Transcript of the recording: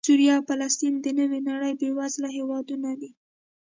سوریه او فلسطین د نوې نړۍ بېوزله هېوادونه دي